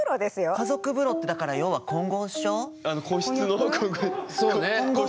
家族風呂ってだから要は混合っしょ？